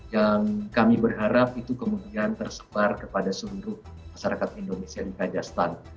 yang kami berharap itu kemudian tersebar kepada seluruh masyarakat indonesia di kajastan